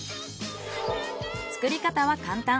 作り方は簡単。